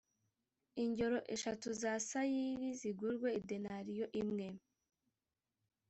ingero eshatu za sayiri zigurwe idenariyo imwe,